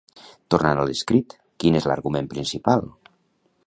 Tornant a l'escrit, quin és l'argument principal?